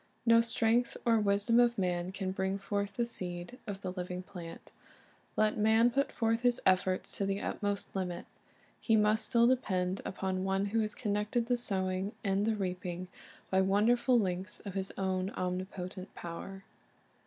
No strength or wisdom of man can bring forth from the seed the living plant. Let man put lorth his efforts to the utmost limit, he must still depend upon One who has conn_ected the sowing and the reaping by wonderful links of His own omnipotent power.